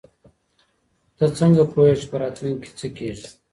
ته څنګه پوهیږې چي په راتلونکي کي څه کیږي؟